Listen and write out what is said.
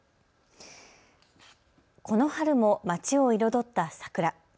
この春もまちを彩った桜。